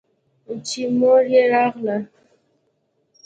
چې مور يې راغله.